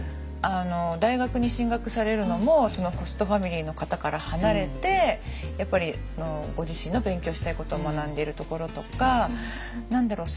大学に進学されるのもそのホストファミリーの方から離れてやっぱりご自身の勉強したいことを学んでるところとか何だろう